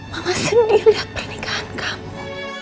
maka sedih lihat pernikahan kamu